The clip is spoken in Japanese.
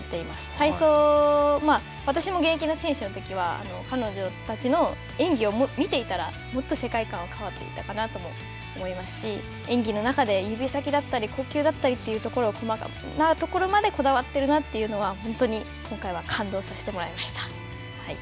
体操、私も現役の選手のときは彼女たちの演技を見ていたらもっと世界観は変わっていたかなとも思いますし、演技の中で指先だったり呼吸だったりというところを細かなところまでこだわってるなというのは本当に感動させてもらいました。